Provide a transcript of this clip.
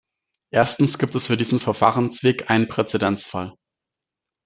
Erstens gibt es für diesen Verfahrensweg einen Präzedenzfall.